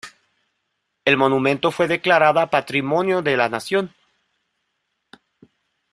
El monumento fue declarada Patrimonio de la Nación.